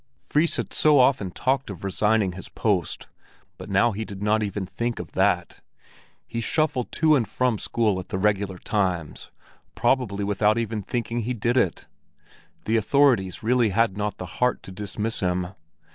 Fris had so often talked of resigning his post, but now he did not even think of that. He shuffled to and from school at the regular times, probably without even knowing he did it. The authorities really had not the heart to dismiss him.